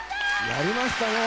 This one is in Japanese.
やりましたね。